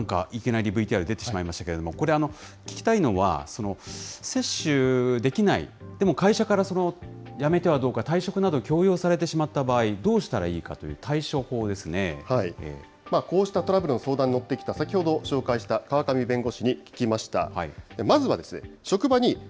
いきなりＶＴＲ出てしまいましたけれども、これ、聞きたいのは、接種できない、でも会社から辞めてはどうか、退職などを強要されてしまった場合、どうしたらこうしたトラブルの相談に乗ってきた先ほど紹介した川上弁護士に聞きました。